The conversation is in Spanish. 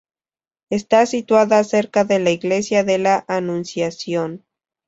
Está situada cerca de la Iglesia de la Anunciación.